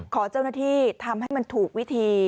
ขอเจ้าหน้าที่ทำให้มันถูกวิธี